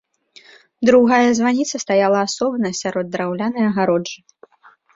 Другая званіца стаяла асобна сярод драўлянай агароджы.